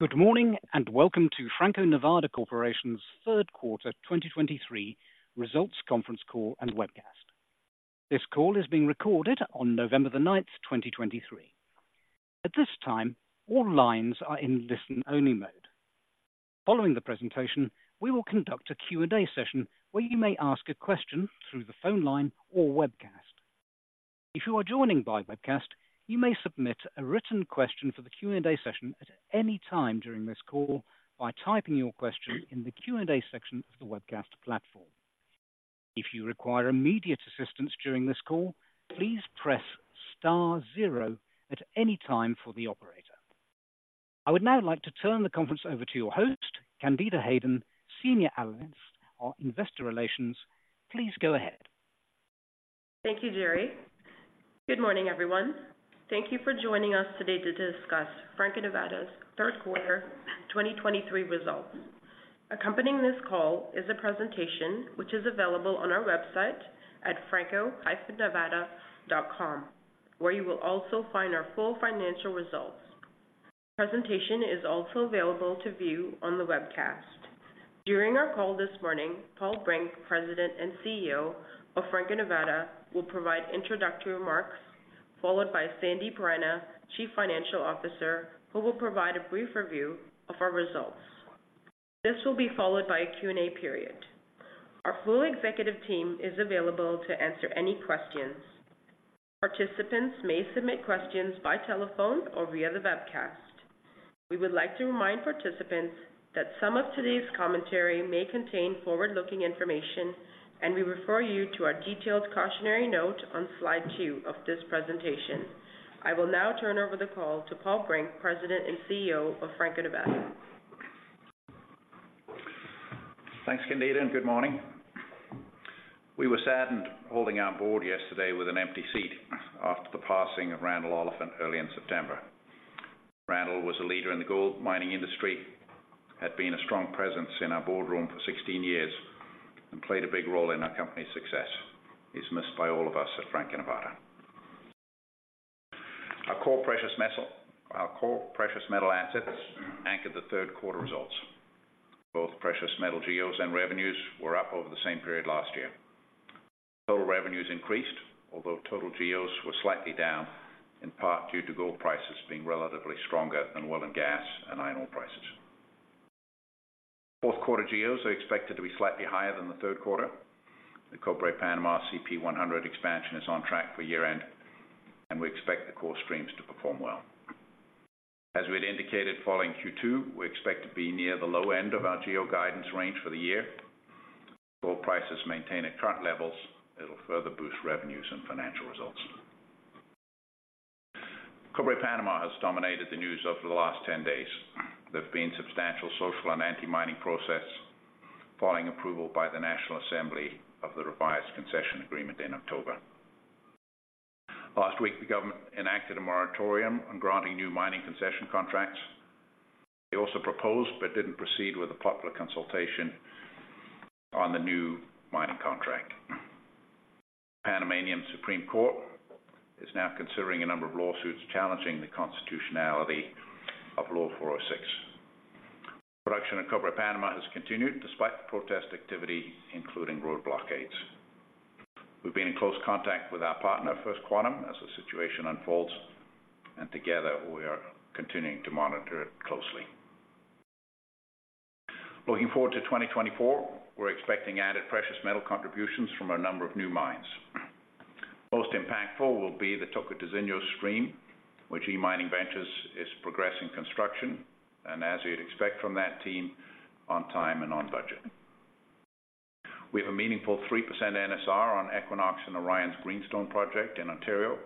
Good morning, and welcome to Franco-Nevada Corporation's third quarter 2023 results conference call and webcast. This call is being recorded on November 9, 2023. At this time, all lines are in listen-only mode. Following the presentation, we will conduct a Q&A session where you may ask a question through the phone line or webcast. If you are joining by webcast, you may submit a written question for the Q&A session at any time during this call by typing your question in the Q&A section of the webcast platform. If you require immediate assistance during this call, please press star zero at any time for the operator. I would now like to turn the conference over to your host, Candida Hayden, Senior Analyst, Investor Relations. Please go ahead. Thank you, Jerry. Good morning, everyone. Thank you for joining us today to discuss Franco-Nevada's third quarter 2023 results. Accompanying this call is a presentation which is available on our website at franco-nevada.com, where you will also find our full financial results. The presentation is also available to view on the webcast. During our call this morning, Paul Brink, President and CEO of Franco-Nevada, will provide introductory remarks, followed by Sandip Rana, Chief Financial Officer, who will provide a brief review of our results. This will be followed by a Q&A period. Our full executive team is available to answer any questions. Participants may submit questions by telephone or via the webcast. We would like to remind participants that some of today's commentary may contain forward-looking information, and we refer you to our detailed cautionary note on slide 2 of this presentation. I will now turn over the call to Paul Brink, President and CEO of Franco-Nevada. Thanks, Candida, and good morning. We were saddened holding our board yesterday with an empty seat after the passing of Randall Oliphant early in September. Randall was a leader in the gold mining industry, had been a strong presence in our boardroom for 16 years, and played a big role in our company's success. He's missed by all of us at Franco-Nevada. Our core precious metal, our core precious metal assets anchored the third quarter results. Both precious metal GEOs and revenues were up over the same period last year. Total revenues increased, although total GEOs were slightly down, in part due to gold prices being relatively stronger than oil and gas and iron ore prices. Fourth quarter GEOs are expected to be slightly higher than the third quarter. The Cobre Panama CP100 expansion is on track for year-end, and we expect the core streams to perform well. As we had indicated, following Q2, we expect to be near the low end of our GEO guidance range for the year. If gold prices maintain at current levels, it'll further boost revenues and financial results. Cobre Panama has dominated the news over the last 10 days. There have been substantial social and anti-mining protests following approval by the National Assembly of the revised concession agreement in October. Last week, the government enacted a moratorium on granting new mining concession contracts. They also proposed but didn't proceed with a popular consultation on the new mining contract. Panamanian Supreme Court is now considering a number of lawsuits challenging the constitutionality of Law 406. Production at Cobre Panama has continued despite the protest activity, including road blockades. We've been in close contact with our partner, First Quantum, as the situation unfolds, and together we are continuing to monitor it closely. Looking forward to 2024, we're expecting added precious metal contributions from a number of new mines. Most impactful will be the Tocantinzinho stream, which G Mining Ventures is progressing construction, and as you'd expect from that team, on time and on budget. We have a meaningful 3% NSR on Equinox and Orion's Greenstone project in Ontario,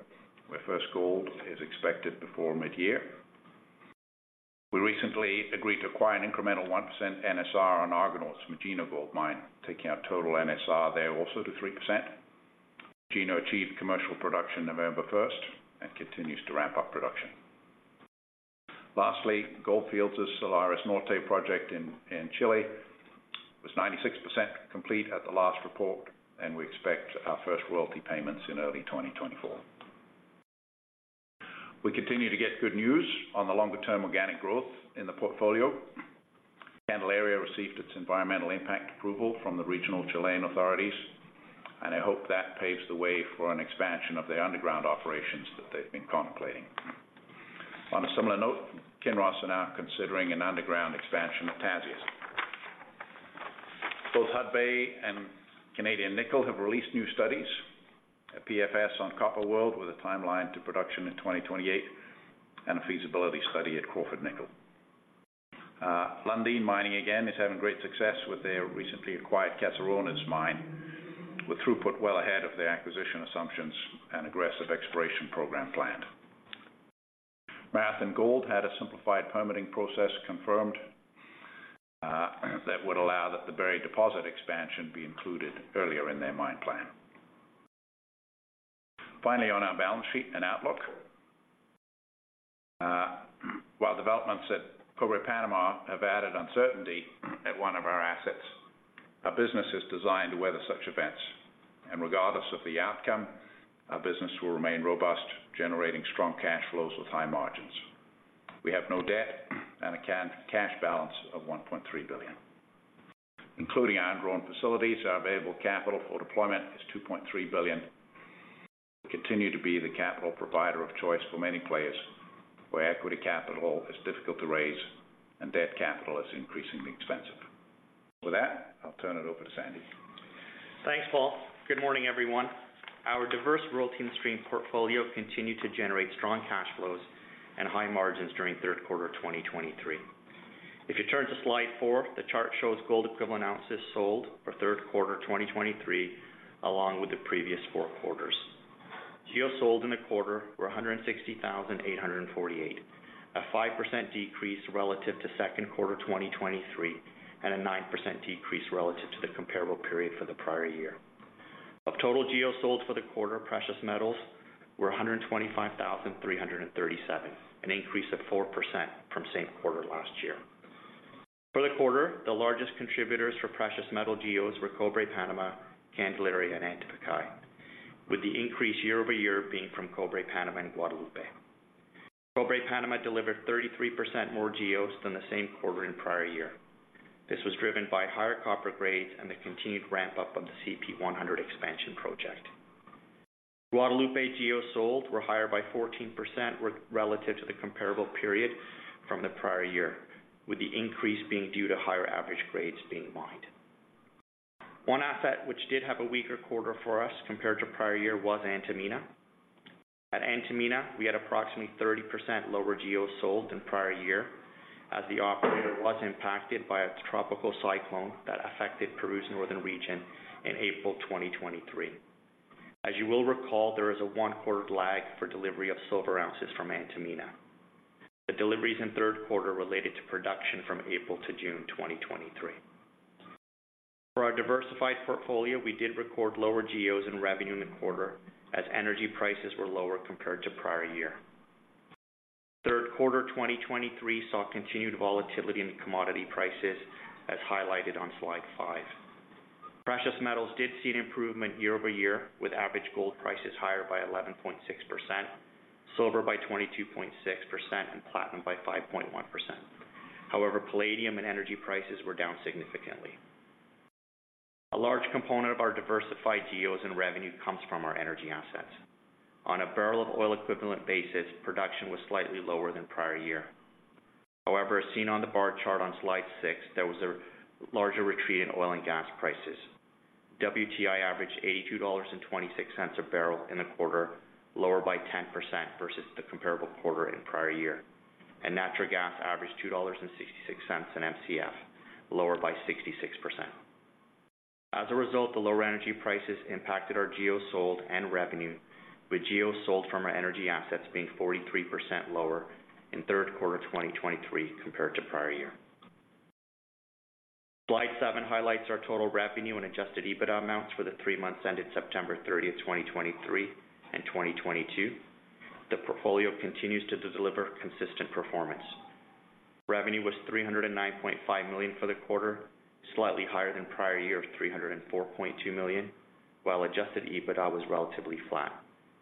where first gold is expected before midyear. We recently agreed to acquire an incremental 1% NSR on Argonaut's Magino Gold Mine, taking our total NSR there also to 3%. Magino achieved commercial production November 1 and continues to ramp up production. Lastly, Gold Fields' Salares Norte project in Chile was 96% complete at the last report, and we expect our first royalty payments in early 2024. We continue to get good news on the longer-term organic growth in the portfolio. Candelaria received its environmental impact approval from the regional Chilean authorities, and I hope that paves the way for an expansion of the underground operations that they've been contemplating. On a similar note, Kinross are now considering an underground expansion of Tasiast. Both Hudbay and Canada Nickel have released new studies, a PFS on Copper World with a timeline to production in 2028 and a feasibility study at Crawford Nickel. Lundin Mining, again, is having great success with their recently acquired Caserones mine, with throughput well ahead of their acquisition assumptions and aggressive exploration program planned. Marathon Gold had a simplified permitting process confirmed, that would allow the Berry deposit expansion be included earlier in their mine plan. Finally, on our balance sheet and outlook, while developments at Cobre Panama have added uncertainty at one of our assets... Our business is designed to weather such events, and regardless of the outcome, our business will remain robust, generating strong cash flows with high margins. We have no debt and a cash balance of $1.3 billion. Including our own facilities, our available capital for deployment is $2.3 billion. We continue to be the capital provider of choice for many players, where equity capital is difficult to raise and debt capital is increasingly expensive. With that, I'll turn it over to Sandip. Thanks, Paul. Good morning, everyone. Our diverse royalty and stream portfolio continued to generate strong cash flows and high margins during the third quarter of 2023. If you turn to slide 4, the chart shows gold equivalent ounces sold for third quarter 2023, along with the previous 4 quarters. GEO sold in the quarter were 160,848, a 5% decrease relative to second quarter 2023, and a 9% decrease relative to the comparable period for the prior year. Of total GEO sold for the quarter, precious metals were 125,337, an increase of 4% from the same quarter last year. For the quarter, the largest contributors for precious metal GEOs were Cobre Panama, Candelaria, and Antamina, with the increase year-over-year being from Cobre Panama and Guadalupe. Cobre Panama delivered 33% more GEOs than the same quarter in prior year. This was driven by higher copper grades and the continued ramp-up of the CP100 expansion project. Guadalupe GEOs sold were higher by 14% relative to the comparable period from the prior year, with the increase being due to higher average grades being mined. One asset which did have a weaker quarter for us compared to prior year was Antamina. At Antamina, we had approximately 30% lower GEOs sold than prior year, as the operator was impacted by a tropical cyclone that affected Peru's northern region in April 2023. As you will recall, there is a one-quarter lag for delivery of silver ounces from Antamina. The deliveries in the third quarter related to production from April to June 2023. For our diversified portfolio, we did record lower GEOs and revenue in the quarter as energy prices were lower compared to prior year. Third quarter 2023 saw continued volatility in the commodity prices, as highlighted on slide 5. Precious metals did see an improvement year-over-year, with average gold prices higher by 11.6%, silver by 22.6%, and platinum by 5.1%. However, palladium and energy prices were down significantly. A large component of our diversified GEOs and revenue comes from our energy assets. On a barrel of oil equivalent basis, production was slightly lower than prior year. However, as seen on the bar chart on slide 6, there was a larger retreat in oil and gas prices. WTI averaged $82.26 a barrel in the quarter, lower by 10% versus the comparable quarter in prior year, and natural gas averaged $2.66 in MCF, lower by 66%. As a result, the lower energy prices impacted our GEO sold and revenue, with GEOs sold from our energy assets being 43% lower in third quarter 2023 compared to prior year. Slide 7 highlights our total revenue and Adjusted EBITDA amounts for the three months ended September 30, 2023 and 2022. The portfolio continues to deliver consistent performance. Revenue was $309.5 million for the quarter, slightly higher than prior year of $304.2 million, while adjusted EBITDA was relatively flat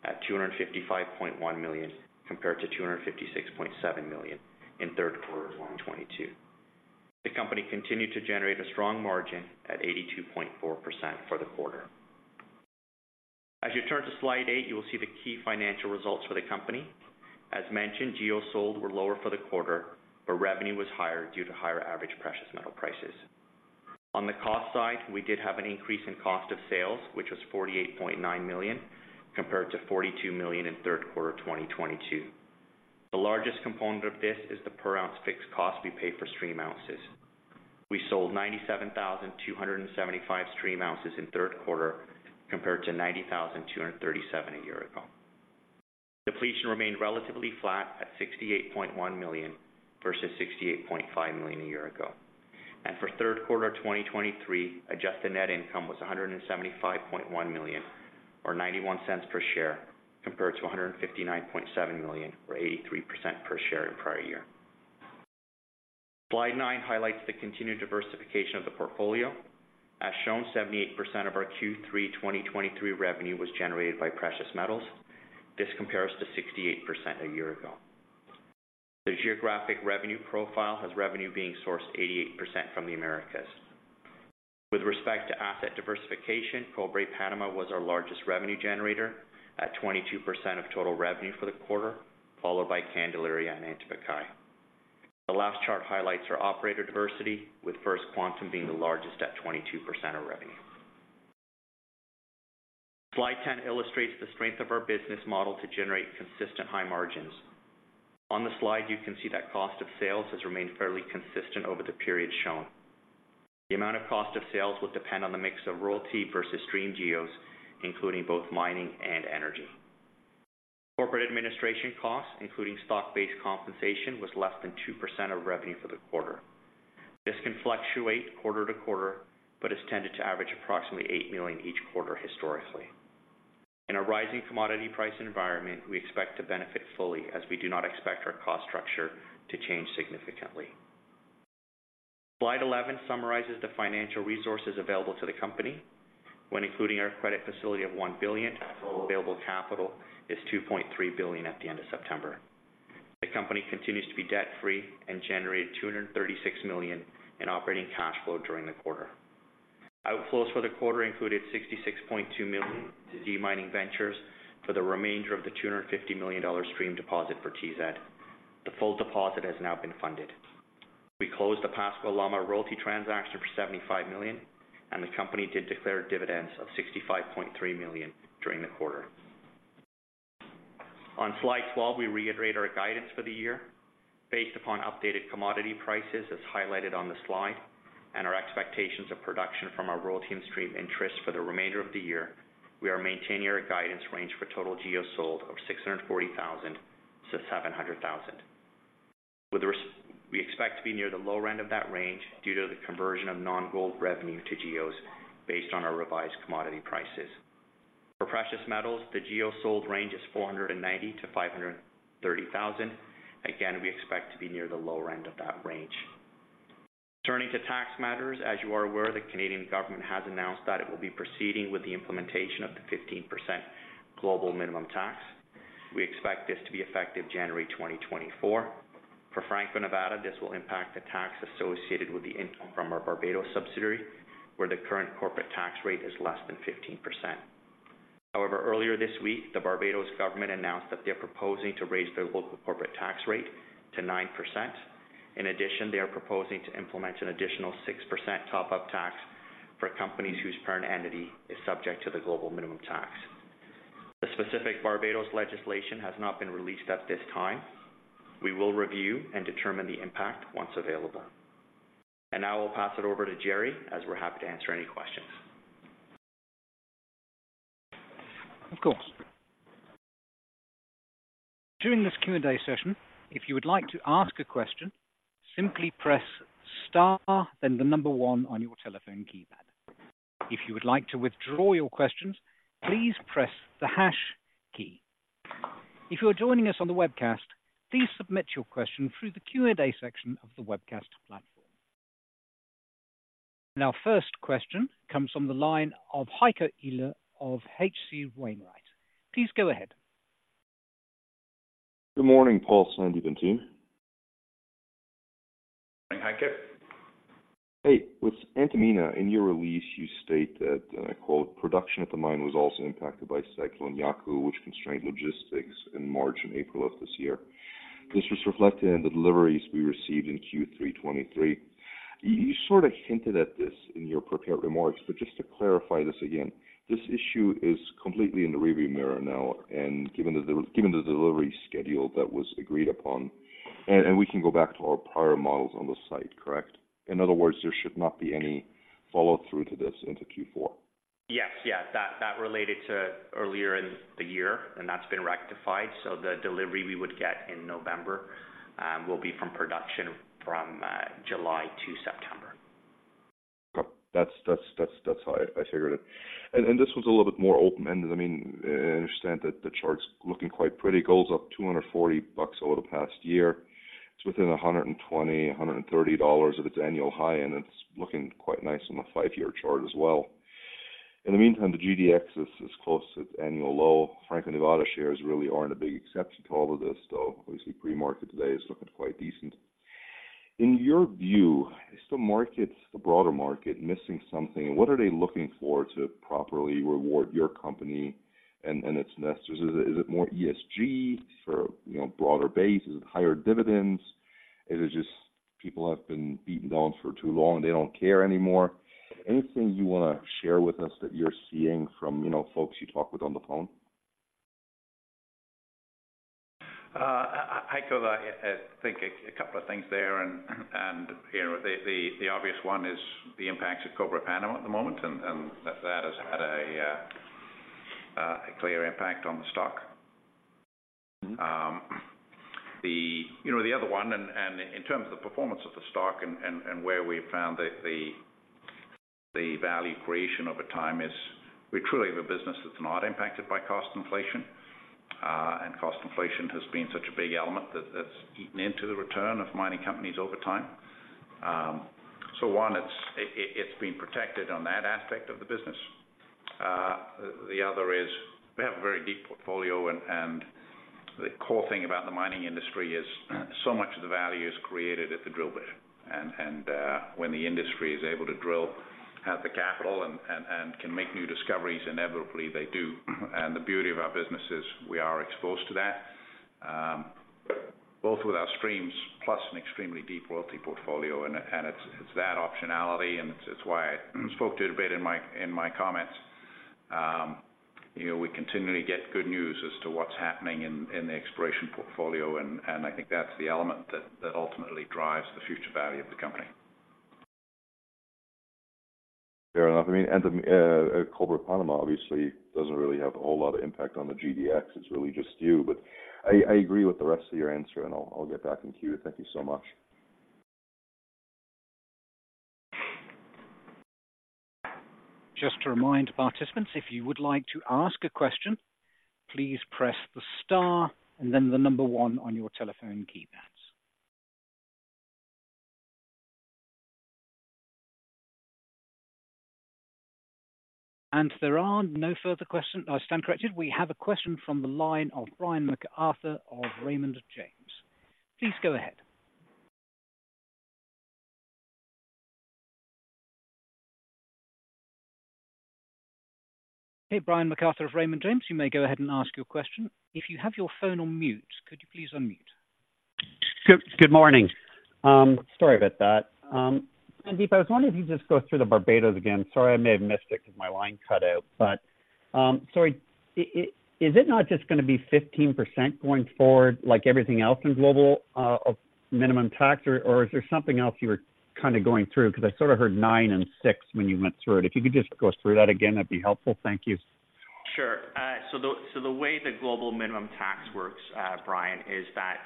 at $255.1 million, compared to $256.7 million in third quarter of 2022. The company continued to generate a strong margin at 82.4% for the quarter. As you turn to slide 8, you will see the key financial results for the company. As mentioned, GEOs sold were lower for the quarter, but revenue was higher due to higher average precious metal prices. On the cost side, we did have an increase in cost of sales, which was $48.9 million, compared to $42 million in third quarter 2022. The largest component of this is the per ounce fixed cost we paid for stream ounces. We sold 97,275 stream ounces in the third quarter, compared to 90,237 a year ago. Depletion remained relatively flat at $68.1 million versus $68.5 million a year ago. For the third quarter of 2023, adjusted net income was $175.1 million, or $0.91 per share, compared to $159.7 million or $0.83 per share in prior year. Slide 9 highlights the continued diversification of the portfolio. As shown, 78% of our Q3 2023 revenue was generated by precious metals. This compares to 68% a year ago. The geographic revenue profile has revenue being sourced 88% from the Americas. With respect to asset diversification, Cobre Panama was our largest revenue generator at 22% of total revenue for the quarter, followed by Candelaria and Antamina. The last chart highlights our operator diversity, with First Quantum being the largest at 22% of revenue. Slide 10 illustrates the strength of our business model to generate consistent high margins. On the slide, you can see that cost of sales has remained fairly consistent over the period shown. The amount of cost of sales will depend on the mix of royalty versus stream GEOs, including both mining and energy. Corporate administration costs, including stock-based compensation, was less than 2% of revenue for the quarter. This can fluctuate quarter to quarter, but has tended to average approximately $8 million each quarter historically.... In a rising commodity price environment, we expect to benefit fully, as we do not expect our cost structure to change significantly. Slide 11 summarizes the financial resources available to the company. When including our credit facility of $1 billion, our total available capital is $2.3 billion at the end of September. The company continues to be debt-free and generated $236 million in operating cash flow during the quarter. Outflows for the quarter included $66.2 million to G Mining Ventures for the remainder of the $250 million stream deposit for Tocantinzinho. The full deposit has now been funded. We closed the Pascua-Lama royalty transaction for $75 million, and the company did declare dividends of $65.3 million during the quarter. On slide 12, we reiterate our guidance for the year. Based upon updated commodity prices, as highlighted on the slide, and our expectations of production from our royalty and stream interest for the remainder of the year, we are maintaining our guidance range for total GEOs sold of 640,000-700,000. With this, we expect to be near the low end of that range due to the conversion of non-gold revenue to GEOs based on our revised commodity prices. For precious metals, the GEO sold range is 490,000-530,000. Again, we expect to be near the lower end of that range. Turning to tax matters, as you are aware, the Canadian government has announced that it will be proceeding with the implementation of the 15% global minimum tax. We expect this to be effective January 2024. For Franco-Nevada, this will impact the tax associated with the income from our Barbados subsidiary, where the current corporate tax rate is less than 15%. However, earlier this week, the Barbados government announced that they're proposing to raise their local corporate tax rate to 9%. In addition, they are proposing to implement an additional 6% top-up tax for companies whose parent entity is subject to the global minimum tax. The specific Barbados legislation has not been released at this time. We will review and determine the impact once available. Now I'll pass it over to Jerry, as we're happy to answer any questions. Of course. During this Q&A session, if you would like to ask a question, simply press star, then 1 on your telephone keypad. If you would like to withdraw your questions, please press the hash key. If you are joining us on the webcast, please submit your question through the Q&A section of the webcast platform. Our first question comes from the line of Heiko Ihle of H.C. Wainwright. Please go ahead. Good morning, Paul, Sandip, and team. Good morning, Heiko. Hey, with Antamina, in your release, you state that, quote, "Production at the mine was also impacted by Cyclone Yaku, which constrained logistics in March and April of this year. This was reflected in the deliveries we received in Q3 2023." You sort of hinted at this in your prepared remarks, but just to clarify this again, this issue is completely in the rearview mirror now, and given the delivery schedule that was agreed upon, and we can go back to our prior models on the site, correct? In other words, there should not be any follow-through to this into Q4. Yes. Yes, that, that related to earlier in the year, and that's been rectified, so the delivery we would get in November will be from production from July to September. Okay. That's how I figured it. And this was a little bit more open-ended. I mean, I understand that the chart's looking quite pretty. Gold's up $240 over the past year. It's within $100-$130 of its annual high, and it's looking quite nice on the five-year chart as well. In the meantime, the GDX is close to its annual low. Franco-Nevada shares really aren't a big exception to all of this, though. Obviously, pre-market today is looking quite decent. In your view, is the broader market missing something? And what are they looking for to properly reward your company and its investors? Is it more ESG for, you know, broader base? Is it higher dividends? Is it just people have been beaten down for too long, they don't care anymore? Anything you wanna share with us that you're seeing from, you know, folks you talk with on the phone? Heiko, I think a couple of things there, and you know, the obvious one is the impacts of Cobre Panama at the moment, and that has had a clear impact on the stock. Mm-hmm. You know, the other one, and in terms of the performance of the stock and where we've found the value creation over time is we truly have a business that's not impacted by cost inflation, and cost inflation has been such a big element that's eaten into the return of mining companies over time. So one, it's been protected on that aspect of the business. The other is, we have a very deep portfolio and the core thing about the mining industry is so much of the value is created at the drill bit. And when the industry is able to drill, has the capital, and can make new discoveries, inevitably they do. And the beauty of our business is we are exposed to that, both with our streams plus an extremely deep royalty portfolio. And it's that optionality, and it's why I spoke to it a bit in my comments. You know, we continually get good news as to what's happening in the exploration portfolio, and I think that's the element that ultimately drives the future value of the company. Fair enough. I mean, Cobre Panama obviously doesn't really have a whole lot of impact on the GDX. It's really just you. But I agree with the rest of your answer, and I'll get back in queue. Thank you so much.... Just to remind participants, if you would like to ask a question, please press the star and then the number one on your telephone keypads. And there are no further questions. I stand corrected. We have a question from the line of Brian MacArthur of Raymond James. Please go ahead. Hey, Brian MacArthur of Raymond James. You may go ahead and ask your question. If you have your phone on mute, could you please unmute? Good morning. Sorry about that. Sandip, I was wondering if you could just go through the Barbados again. Sorry, I may have missed it because my line cut out, but sorry, is it not just going to be 15% going forward, like everything else in global minimum tax, or is there something else you were kind of going through? Because I sort of heard 9 and 6 when you went through it. If you could just go through that again, that'd be helpful. Thank you. Sure. So the way the Global Minimum Tax works, Brian, is that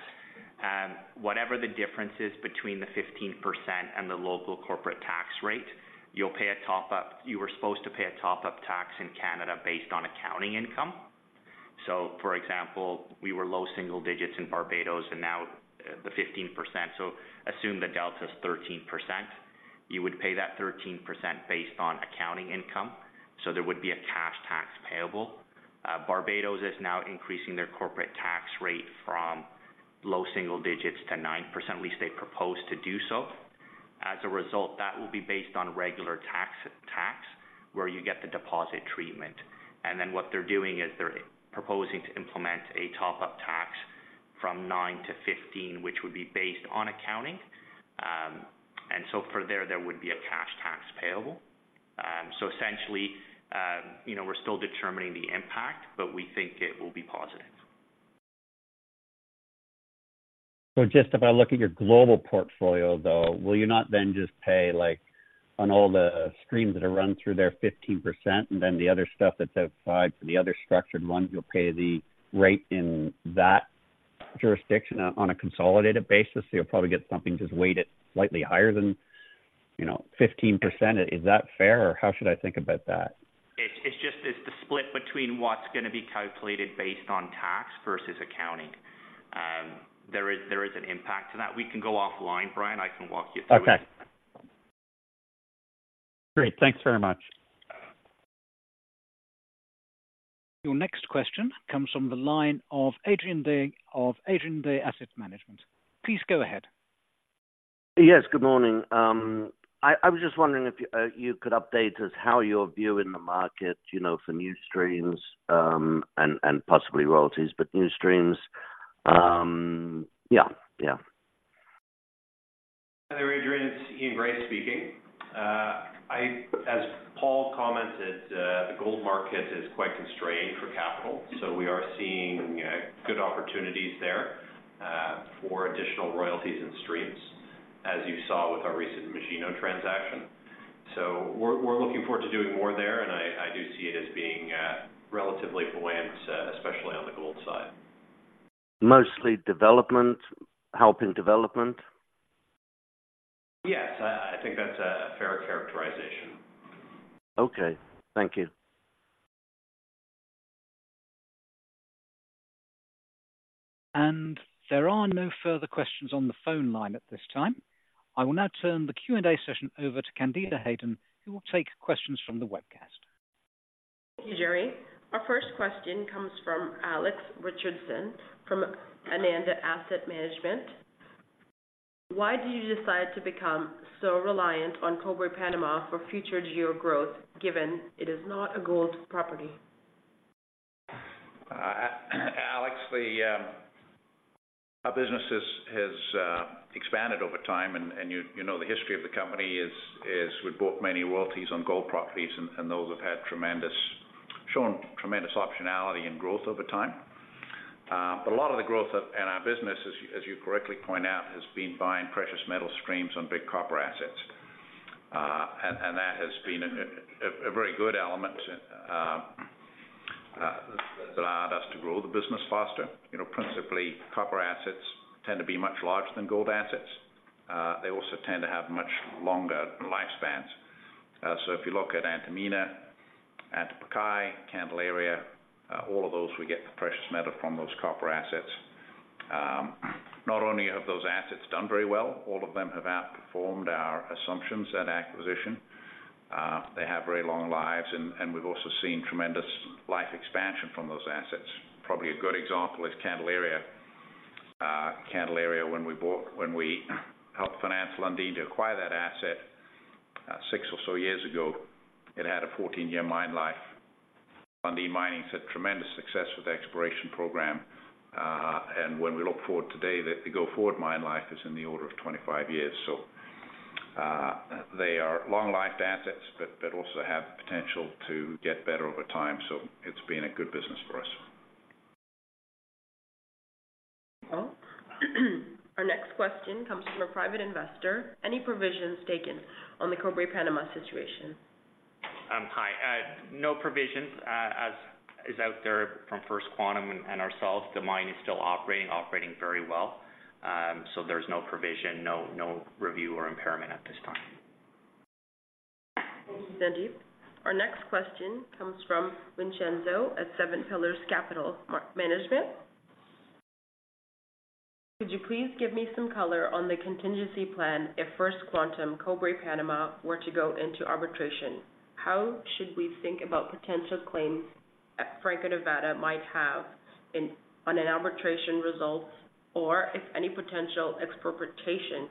whatever the difference is between the 15% and the local corporate tax rate, you'll pay a top up. You were supposed to pay a top up tax in Canada based on accounting income. So for example, we were low single digits in Barbados, and now the 15%, so assume the delta is 13%. You would pay that 13% based on accounting income, so there would be a cash tax payable. Barbados is now increasing their corporate tax rate from low single digits to 9%. At least they propose to do so. As a result, that will be based on regular tax, where you get the deposit treatment. Then what they're doing is they're proposing to implement a top-up tax from 9 to 15, which would be based on accounting. So for there, there would be a cash tax payable. So essentially, you know, we're still determining the impact, but we think it will be positive. So just if I look at your global portfolio, though, will you not then just pay, like, on all the streams that are run through there, 15%, and then the other stuff that's outside for the other structured ones, you'll pay the rate in that jurisdiction on a consolidated basis? So you'll probably get something just weighted slightly higher than, you know, 15%. Is that fair, or how should I think about that? It's just the split between what's going to be calculated based on tax versus accounting. There is an impact to that. We can go offline, Brian. I can walk you through it. Okay. Great. Thanks very much. Your next question comes from the line of Adrian Day of Adrian Day Asset Management. Please go ahead. Yes, good morning. I was just wondering if you could update us how your view in the market, you know, for new streams, and possibly royalties, but new streams. Yeah, yeah. Hi there, Adrian, it's Sandip speaking. As Paul commented, the gold market is quite constrained for capital, so we are seeing good opportunities there for additional royalties and streams, as you saw with our recent Magino transaction. So we're looking forward to doing more there, and I do see it as being relatively buoyant, especially on the gold side. Mostly development, helping development? Yes, I think that's a fair characterization. Okay, thank you. There are no further questions on the phone line at this time. I will now turn the Q&A session over to Candida Hayden, who will take questions from the webcast. Thank you, Jerry. Our first question comes from Alex Richardson, from Ananda Asset Management. Why did you decide to become so reliant on Cobre Panama for future GEO growth, given it is not a gold property? Alex, our business has expanded over time, and you know, the history of the company is we bought many royalties on gold properties, and those have shown tremendous optionality and growth over time. But a lot of the growth in our business, as you correctly point out, has been buying precious metal streams on big copper assets. And that has been a very good element that allowed us to grow the business faster. You know, principally, copper assets tend to be much larger than gold assets. They also tend to have much longer lifespans. So if you look at Antamina, Candelaria, all of those, we get the precious metal from those copper assets. Not only have those assets done very well, all of them have outperformed our assumptions at acquisition. They have very long lives, and we've also seen tremendous life expansion from those assets. Probably a good example is Candelaria. Candelaria, when we helped finance Lundin to acquire that asset, six or so years ago, it had a 14-year mine life. Lundin Mining is a tremendous success with the exploration program, and when we look forward today, the go-forward mine life is in the order of 25 years. So, they are long-lived assets, but also have potential to get better over time. So it's been a good business for us. Well, our next question comes from a private investor. Any provisions taken on the Cobre Panama situation? ... No provisions, as is out there from First Quantum and ourselves. The mine is still operating very well. So there's no provision, no review or impairment at this time. Thank you, Sandip. Our next question comes from Vincenzo at Seven Pillars Capital Management. Could you please give me some color on the contingency plan if First Quantum Cobre Panama were to go into arbitration? How should we think about potential claims that Franco-Nevada might have in, on an arbitration result, or if any potential expropriation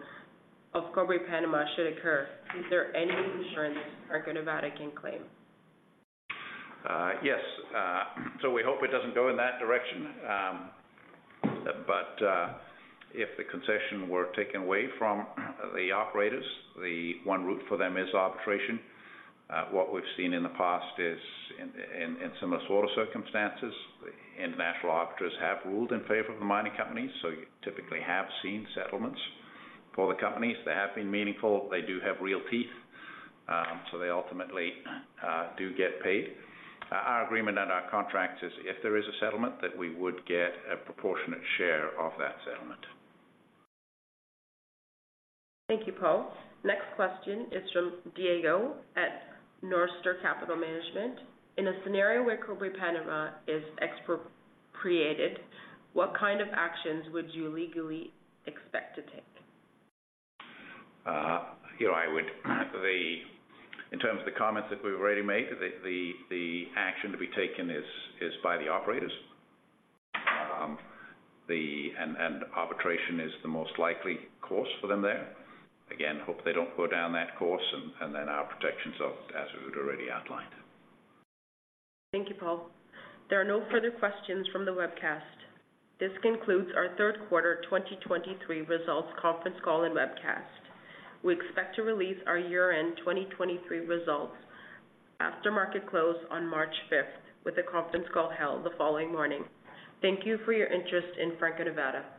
of Cobre Panama should occur, is there any insurance Franco-Nevada can claim? Yes. So we hope it doesn't go in that direction. But if the concession were taken away from the operators, the one route for them is arbitration. What we've seen in the past is in similar sort of circumstances, international arbiters have ruled in favor of the mining companies, so you typically have seen settlements for the companies. They have been meaningful. They do have real teeth, so they ultimately do get paid. Our agreement and our contract is if there is a settlement, that we would get a proportionate share of that settlement. Thank you, Paul. Next question is from Diego at North Star Capital Management. In a scenario where Cobre Panama is expropriated, what kind of actions would you legally expect to take? You know, I would... In terms of the comments that we've already made, the action to be taken is by the operators. And arbitration is the most likely course for them there. Again, hope they don't go down that course, and then our protections are as we've already outlined. Thank you, Paul. There are no further questions from the webcast. This concludes our third quarter 2023 results conference call and webcast. We expect to release our year-end 2023 results after market close on March 5, with a conference call held the following morning. Thank you for your interest in Franco-Nevada.